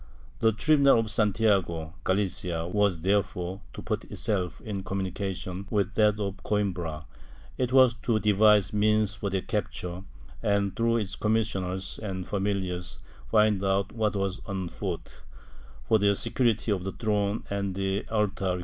The tribunal of Santiago (Galicia) was therefore to put itself in communication with that of Coimbra, it was to devise means for their capture and, through its commissioners and familiars, find out what was on foot, for the security of the throne and of the altar required of the * Archive hist, nacional, Inq.